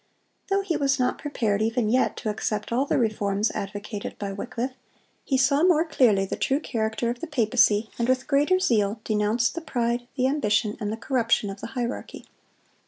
Though he was not prepared, even yet, to accept all the reforms advocated by Wycliffe, he saw more clearly the true character of the papacy, and with greater zeal denounced the pride, the ambition, and the corruption of the hierarchy.